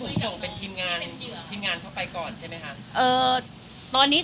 ต่างนี้พี่บุ๋มส่งเป็นทีมงานท่องไปก่อนไหมฮะ